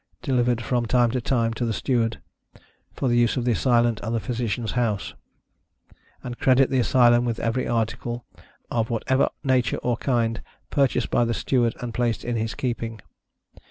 delivered from time to time, to the Steward, for the use of the Asylum and the Physicianâ€™s house; and credit the Asylum with every article, of whatever nature or kind, purchased by the Steward and placed in his keeping.